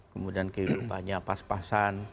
kemudian kehidupannya pas pasan